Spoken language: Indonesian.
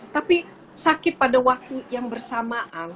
tapi sakit pada waktu yang bersamaan